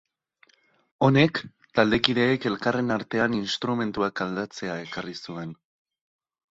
Honek, taldekideek elkarren artean instrumentuak aldatzea ekarri zuen.